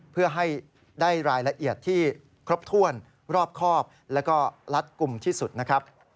เพื่อให้ได้รายละเอียดที่ครบถ้วนรอบครอบแล้วก็รัดกลุ่มที่สุดนะครับ